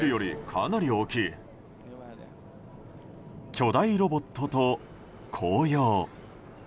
巨大ロボットと紅葉。